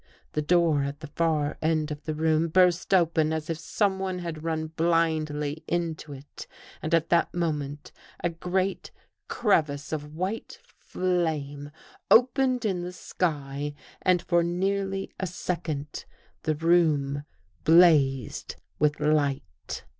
The door at the far end of the room burst open as if someone had run blindly into it and at that moment a great crevice of white flame opened in the sky and for nearly a second the room blazed with light.